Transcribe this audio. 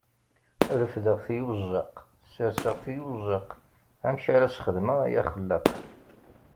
Refdeɣ-t yujjaq, serseɣ-t yujjaq, amek ara sxedmeɣ ay axellaq!